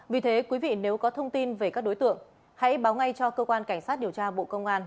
vì thế quý vị nếu có thông tin về các đối tượng hãy báo ngay cho cơ quan cảnh sát điều tra bộ công an